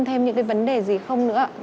thêm những vấn đề gì không nữa ạ